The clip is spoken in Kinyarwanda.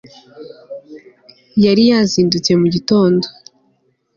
yari yazindutse mu gitondo